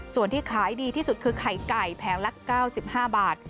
ส่วนที่ขายดีที่สุดคือไข่ไก่แผงละ๙๕บาท